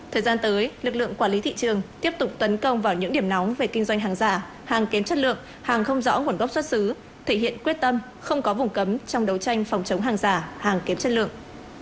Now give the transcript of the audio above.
thời gian tới lực lượng quản lý thị trường tiếp tục tấn công vào những điểm nóng về kinh doanh hàng giả hàng kém chất lượng hàng không rõ nguồn gốc xuất xứ thể hiện quyết tâm không có vùng cấm trong đấu tranh phòng chống hàng giả hàng kém chất lượng